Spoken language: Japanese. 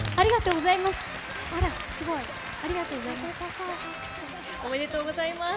ありがとうございます。